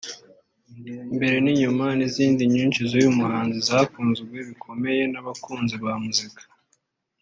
Imbere n’inyuma n’izindi nyinshi z’uyu muhanzi zakunzwe bikomeye n'abakunzi ba muzika